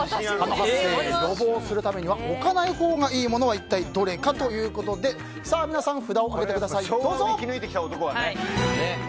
蚊の発生予防のために置かないほうがいいものはどれかということで皆さん、札を上げてください。